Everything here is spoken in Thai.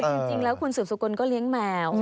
จริงแล้วคุณสืบสกลก็เลี้ยงแมว